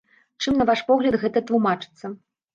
Чым, на ваш погляд, гэта тлумачыцца?